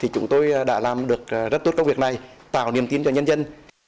chúng tôi đã làm được rất tốt công việc này tạo niềm tin cho nhân dân